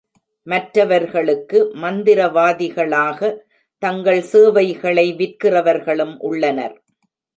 மற்றவர்களுக்கு மந்திரவாதிகளாக தங்கள் சேவைகளை விற்கிறவர்களும் உள்ளனர்.